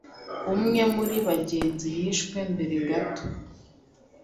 Umwe muri bagenzi Yishwe mbere gato